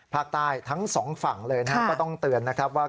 ภาคใต้ทั้งสองฝั่งเลยนะครับก็ต้องเตือนนะครับว่า